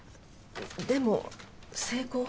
でも成功報酬は？